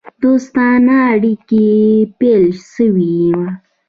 دوستانه اړېکي پیل سوي وه.